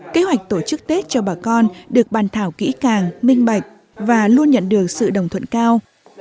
kế hoạch tổ chức tết cho bà con được bàn thảo kỹ càng minh bạch và luôn nhận được sự đồng thuận cao